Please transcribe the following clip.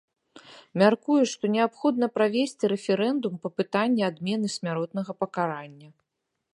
Мяркуе, што неабходна правесці рэферэндум па пытанні адмены смяротнага пакарання.